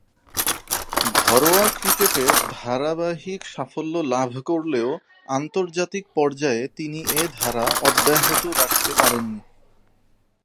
ঘরোয়া ক্রিকেটে ধারাবাহিক সাফল্য লাভ করলেও আন্তর্জাতিক পর্যায়ে তিনি এ ধারা অব্যাহত রাখতে পারেননি।